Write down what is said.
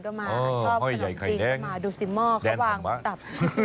ก็มาชอบขนมจีนก็มาดูสิหม้อเขาวางตับ